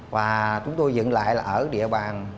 và chúng tôi dựng lại là ở địa bàn